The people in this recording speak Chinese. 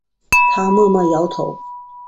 他默默摇头